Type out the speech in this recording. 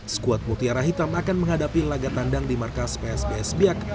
skuad mutiara hitam akan menghadapi laga tandang di markas psbs biak